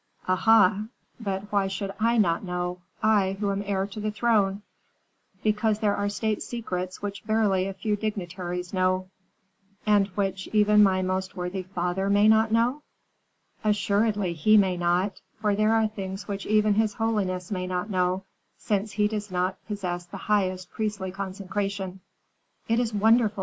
"Aha! But why should I not know, I, who am heir to the throne?" "Because there are state secrets which barely a few dignitaries know." "And which even my most worthy father may not know?" "Assuredly he may not, for there are things which even his holiness may not know, since he does not possess the highest priestly consecration." "It is wonderful!"